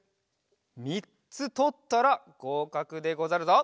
みっつとったらごうかくでござるぞ。